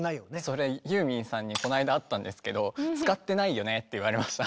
それユーミンさんにこの間会ったんですけど使ってないよねって言われました。